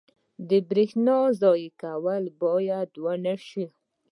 • د برېښنا ضایع کول باید ونه شي.